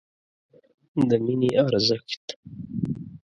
د مینې ارزښت